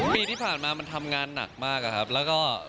ปีที่ผ่านมามันทำงานหนักมากอะครับแล้วก็